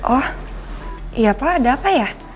oh ya pak ada apa ya